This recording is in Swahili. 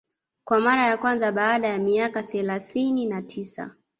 kwa mara ya kwanza baada ya miaka thelathini na tisa